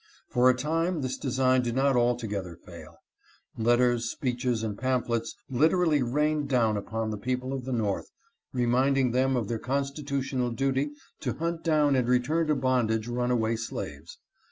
For a time this design did not alto gether fail. Letters, speeches, and pamphlets literally rained down upon the people of the North, reminding them of their constitutional duty to hunt down and return to bondage runaway slaves.